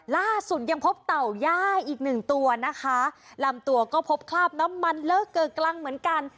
ล่าสุดยังพบเต่าย่าอีกหนึ่งตัวนะคะลำตัวก็พบคราบน้ำมันเลอะเกอะกรังเหมือนกัน